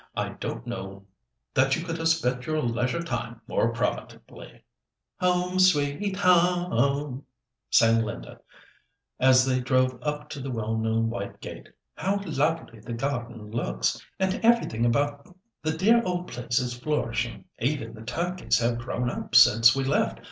I don't know that you could have spent your leisure time more profitably." "Home, sweet home!" sang Linda, as they drove up to the well known white gate. "How lovely the garden looks, and everything about the dear old place is flourishing; even the turkeys have grown up since we left.